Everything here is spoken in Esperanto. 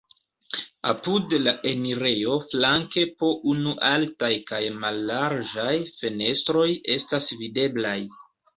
Apud la enirejo flanke po unu altaj kaj mallarĝaj fenestroj estas videblaj.